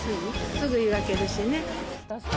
すぐゆがけるしね。